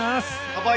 ・乾杯！